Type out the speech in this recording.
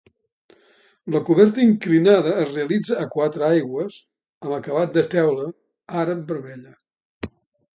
La coberta inclinada es realitza a quatre aigües amb acabat de teula àrab vermella.